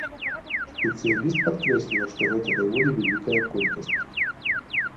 Спецыяліст падкрэсліла, што гэта даволі вялікая колькасць.